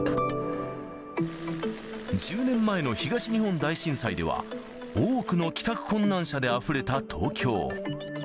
１０年前の東日本大震災では、多くの帰宅困難者であふれた東京。